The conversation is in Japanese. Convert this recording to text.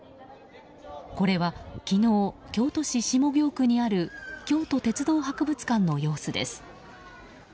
これは昨日、京都市下京区にある京都鉄道博物館の様子です。